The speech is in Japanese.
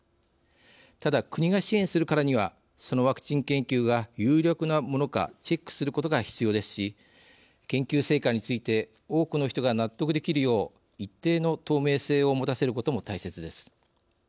ただ国が支援するからにはそのワクチン研究が有力なものかチェックすることが必要ですし研究成果について多くの人が納得できるよう一定の透明性をもたせることも大切です。